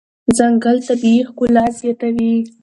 ځنګل طبیعي ښکلا زیاتوي.